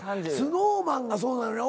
ＳｎｏｗＭａｎがそうなのね。